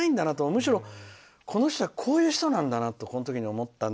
むしろ、この人はこういう人なんだなって思ったのよ。